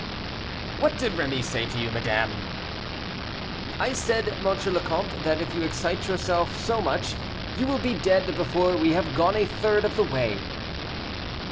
"What did Rémy say to you, madame?" "I said, M. le Comte, that if you excite yourself so much, you will be dead before we have gone a third of the way."